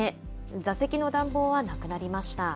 座席の暖房はなくなりました。